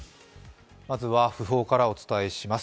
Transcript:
まずは訃報からお伝えします。